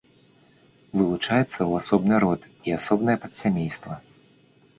Вылучаецца ў асобны род і асобнае падсямейства.